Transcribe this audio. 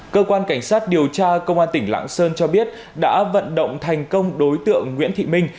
cơ quan cảnh sát điều tra công an tỉnh lạng sơn cho biết đã vận động thành công đối tượng nguyễn thị minh